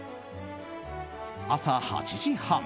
朝８時半。